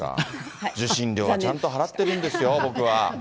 受信料ちゃんと払ってるんですよ、僕は。